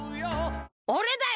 俺だよ俺！